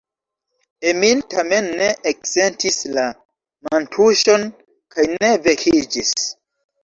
Emil tamen ne eksentis la mantuŝon kaj ne vekiĝis.